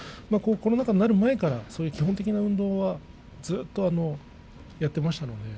コロナ禍になる前から玉鷲は基本的な運動はずっとやっていました。